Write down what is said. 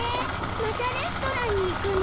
またレストランに行くの？